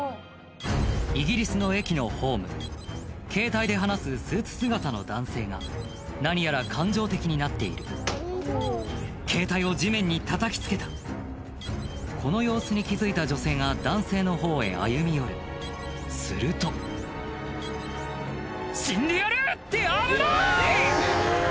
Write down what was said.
イギリスの駅のホームケータイで話すスーツ姿の男性が何やら感情的になっているケータイを地面にたたきつけたこの様子に気付いた女性が男性のほうへ歩み寄るすると「死んでやる！」って危ない‼